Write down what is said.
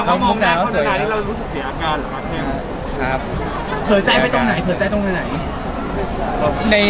มีมีมีมีมีมีมีมีมีมีมีมีมีมีมีมีมีมีมีมี